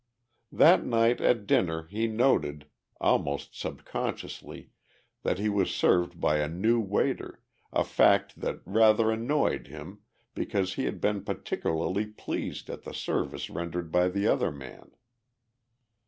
That night at dinner he noted, almost subconsciously, that he was served by a new waiter, a fact that rather annoyed him because he had been particularly pleased at the service rendered by the other man.